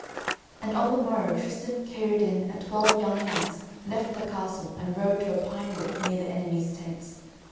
And on the morrow, Tristan, Kaherdin, and twelve young knights left the castle and rode to a pinewood near the enemy's tents.